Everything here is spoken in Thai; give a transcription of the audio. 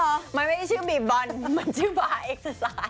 มันไม่ได้ชื่อบีบบอลมันชื่อบาร์เอ็กซา